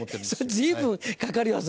随分かかるよそれ。